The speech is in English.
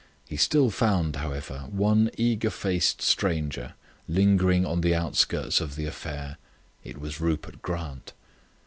He still found, however, one eager faced stranger lingering on the outskirts of the affair. It was Rupert Grant.